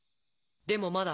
でもまだ。